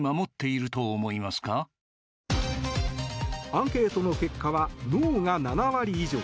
アンケートの結果はノーが７割以上。